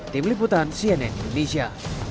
tim liputan cnn indonesia